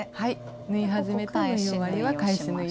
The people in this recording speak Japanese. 縫い始めと縫い終わりは返し縫いで。